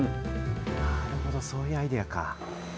なるほど、そういうアイデアか。